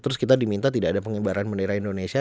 terus kita diminta tidak ada pengibaran bendera indonesia